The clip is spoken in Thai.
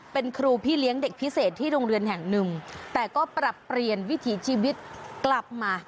เป็นครูพี่เลี้ยงเด็กพิเศษที่โรงเรียนแห่งหนึ่งแต่ก็ปรับเปลี่ยนวิถีชีวิตกลับมา